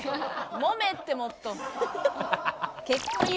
もめってもっと。